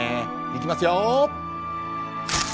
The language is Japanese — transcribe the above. いきますよ。